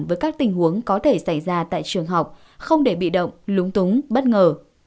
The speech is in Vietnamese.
với các tình huống có thể xảy ra tại trường học không để bị động lúng túng bất ngờ